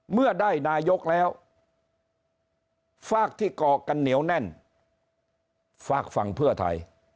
เมื่อได้นายกแล้วฝากที่ก่อกันเหนียวแน่นฝากฝั่งเพื่อไทย